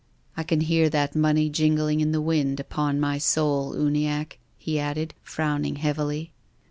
" I can hear that money jingling in the wind, upon my soul, Uniacke," he added, frowning heavily.